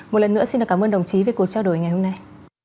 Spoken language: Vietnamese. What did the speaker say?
một lần nữa xin cảm ơn đồng chí về cuộc trao đổi ngày hôm nay